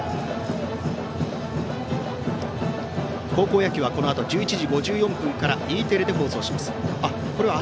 高校野球はこのあと１１時５４分からＥテレで放送します。